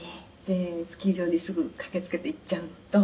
「スキー場にすぐ駆け付けて行っちゃうと」